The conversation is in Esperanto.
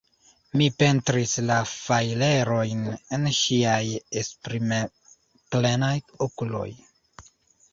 Mi pentris la fajrerojn en ŝiaj esprimplenaj okuloj.